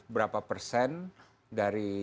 berapa persen dari